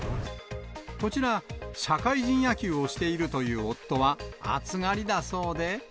こちら、社会人野球をしているという夫は暑がりだそうで。